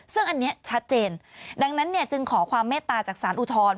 ซึ่งอันนี้ชัดเจนดังนั้นเนี่ยจึงขอความเมตตาจากสารอุทธรณ์